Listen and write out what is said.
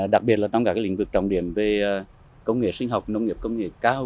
đặc biệt là trong các lĩnh vực trọng điểm về công nghệ sinh học nông nghiệp công nghệ cao